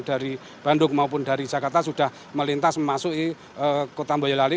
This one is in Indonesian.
dari bandung maupun dari jakarta sudah melintas memasuki kota boyolali